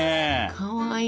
かわいい。